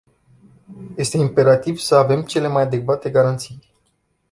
Este imperativ să avem cele mai adecvate garanții.